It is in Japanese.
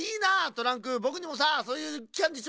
トランクぼくにもさそういうキャンディー